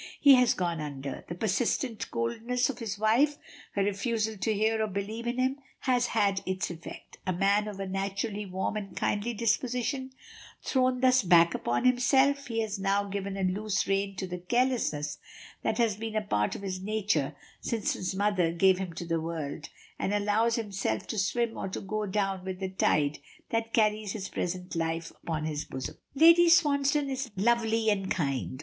He has gone under. The persistent coldness of his wife, her refusal to hear, or believe in him, has had its effect. A man of a naturally warm and kindly disposition, thrown thus back upon himself, he has now given a loose rein to the carelessness that has been a part of his nature since his mother gave him to the world, and allows himself to swim or go down with the tide that carries his present life upon its bosom. Lady Swansdown is lovely and kind.